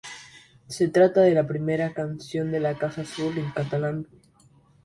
Se trata de la primera canción de La Casa Azul en catalán.